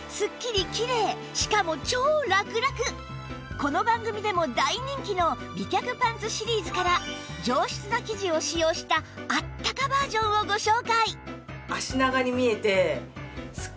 この番組でも大人気の美脚パンツシリーズから上質な生地を使用したあったかバージョンをご紹介